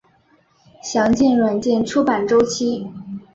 详见软件出版周期。